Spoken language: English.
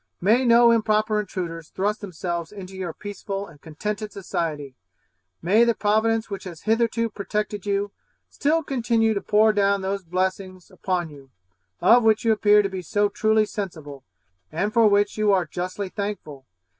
May no improper intruders thrust themselves into your peaceful and contented society! May that Providence which has hitherto protected you, still continue to pour down those blessings upon you, of which you appear to be so truly sensible, and for which you are justly thankful!